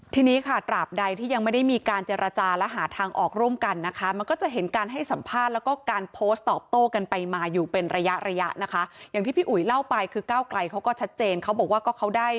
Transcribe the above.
ทีนี้ค่ะตราบใดที่ยังไม่ได้มีการเจรจาระหาทางออกร่วมกันนะคะ